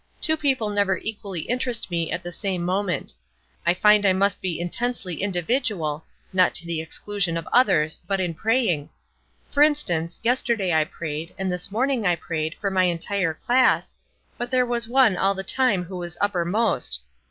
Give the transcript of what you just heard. Two people never equally interest me at the same moment. I find I must be intensely individual, not to the exclusion of others, but in praying. For instance, yesterday I prayed, and this morning I prayed, for my entire class, but there was one all the time who was uppermost.